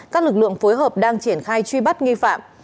các lực lượng phối hợp đang triển khai truy bắt nghi phạm